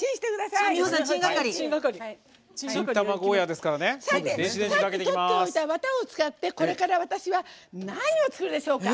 さっきとっといたワタを使ってこれから私は何を作るでしょうか。